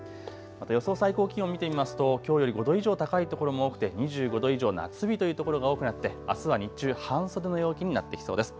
また予想最高気温を見てみますときょうより５度以上高い所も多くて２５度以上、夏日という所が多くなってあすは日中、半袖の陽気になってきそうです。